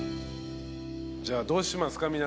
じゃあどうしますか？